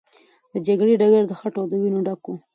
د جګړې ډګر د خټو او وینو ډک و.